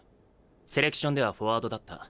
セレクションではフォワードだった。